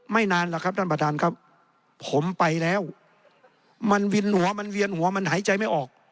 นานแล้วครับท่านประธานครับผมไปแล้วมันวินหัวมันเวียนหัวมันหายใจไม่ออก